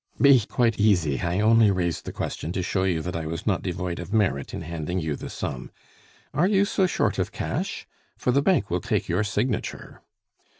"Be quite easy; I only raised the question to show you that I was not devoid of merit in handing you the sum. Are you so short of cash? for the Bank will take your signature."